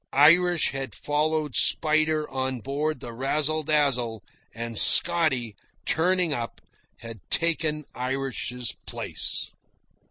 Irish had followed Spider on board the Razzle Dazzle, and Scotty, turning up, had taken Irish's place.)